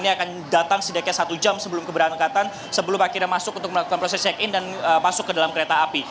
ini akan datang setidaknya satu jam sebelum keberangkatan sebelum akhirnya masuk untuk melakukan proses check in dan masuk ke dalam kereta api